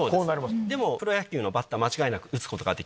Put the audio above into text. でもプロ野球のバッター間違いなく打つことができる。